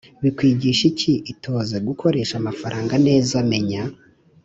bikwigisha iki Itoze gukoresha amafaranga neza Menya